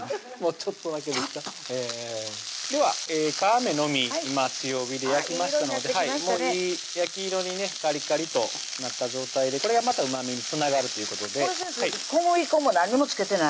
ちょっとでは皮目のみ今強火で焼きましたのでいい焼き色にねカリカリとなった状態でこれがまたうまみにつながるということでこれ小麦粉も何も付けてない？